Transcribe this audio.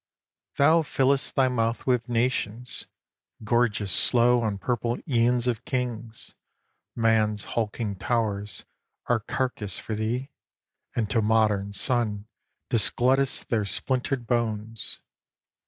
Thou fill'st thy mouth with nations, gorgest slow On purple æons of kings; man's hulking towers Are carcase for thee, and to modern sun Disglutt'st their splintered bones.